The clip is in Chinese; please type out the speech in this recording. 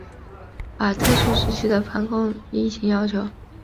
把特殊时期的防控疫情要求